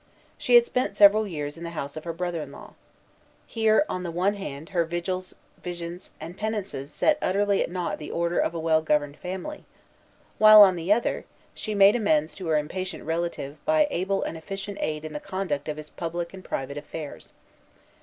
She had spent several years in the house of her brother in law. Here, on the one hand, her vigils, visions, and penances set utterly at nought the order of a well governed family; while, on the other, she made amends to her impatient relative by able and efficient aid in the conduct of his public and private affairs.